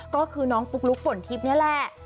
ก็คือน้องปุ๊กลุ๊กฝนทิพย์นี่แหละ